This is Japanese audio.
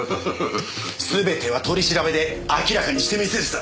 すべては取り調べで明らかにしてみせるさ。